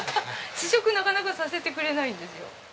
試食なかなかさせてくれないんですよ。